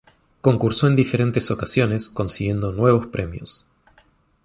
Concursó en diferentes ocasiones, consiguiendo nuevos premios.